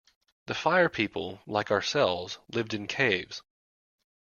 The Fire People, like ourselves, lived in caves.